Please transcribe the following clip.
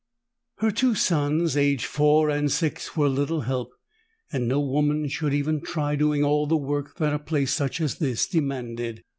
Her two sons, aged four and six, were little help and no woman should even try doing all the work that a place such as this demanded.